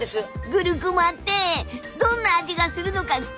グルクマってどんな味がするのか気にならない？